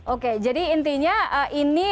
oke jadi intinya ini